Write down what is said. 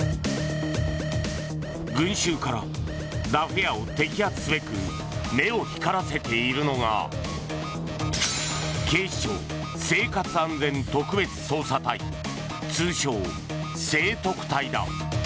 群衆からダフ屋を摘発すべく目を光らせているのが警視庁生活安全特別捜査隊通称・生特隊だ。